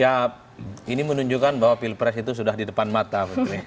ya ini menunjukkan bahwa pilpres itu sudah di depan mata